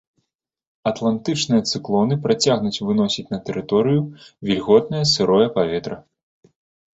Атлантычныя цыклоны працягнуць выносіць на тэрыторыю вільготнае сырое паветра.